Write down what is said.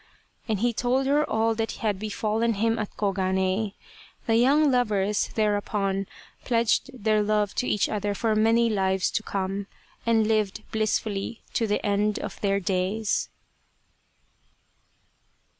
And he told her all that had befallen him at Koganei. The young lovers thereupon pledged their love to each other for many lives to come, and lived blissfully to the end of their days.